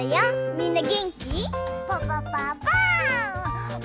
みんなげんき？